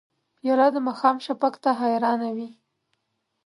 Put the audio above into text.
پیاله د ماښام شفق ته حیرانه وي.